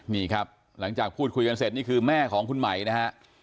นี่ครับหลังจากพูดคุยกันเสร็จนี่คือแม่ของคุณใหม่นะฮะ